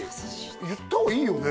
言った方がいいよね？